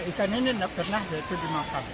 ikan ini tidak pernah yaitu dimakan